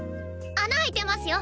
穴あいてますよ。